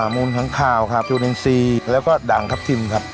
มูลทางขาวครับจูนิงซีแล้วก็ดังครับทิมครับ